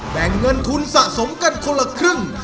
แบ่งเงินทุนสะสมกันคนละครึ่ง